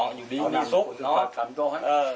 หมู่ลิสต์๒อยู่ดีอ๋อนี่สุข